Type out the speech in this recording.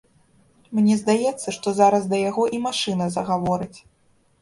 Мне здаецца, што зараз да яго і машына загаворыць.